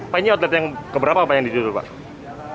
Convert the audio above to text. pak ini outlet yang keberapa pak yang dijual pak